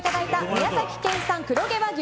宮崎県産黒毛和牛